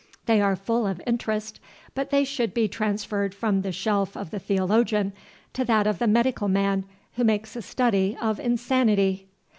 They are full of interest, but they should be transferred from the shelf of the theologian to that of the medical man who makes a study of insanity.